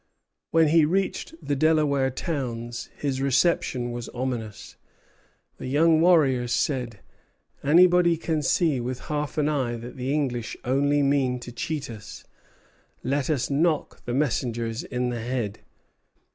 When he reached the Delaware towns his reception was ominous. The young warriors said: "Anybody can see with half an eye that the English only mean to cheat us. Let us knock the messengers in the head."